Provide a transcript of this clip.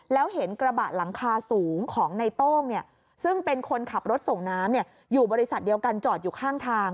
แล้วเห็นกระบะหลังคาสูงของในโต้งซึ่งเป็นคนขับรถส่งน้ำอยู่บริษัทเดียวกันจอดอยู่ข้างทาง